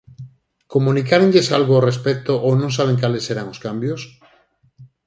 Comunicáronlles algo ao respecto ou non saben cales serán os cambios?